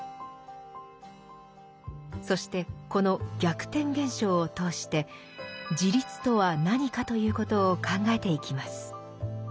そしてこの逆転現象を通して「自立」とは何かということを考えていきます。